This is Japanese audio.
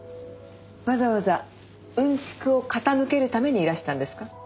わざわざ薀蓄を傾けるためにいらしたんですか？